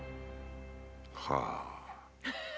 はあ。